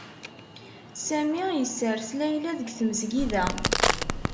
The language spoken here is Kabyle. Sami yessers Laya deg tmesgida.